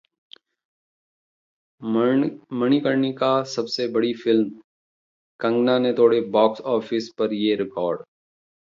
मणिकर्णिका सबसे बड़ी फिल्म, कंगना ने तोड़े बॉक्स ऑफिस पर ये रिकॉर्ड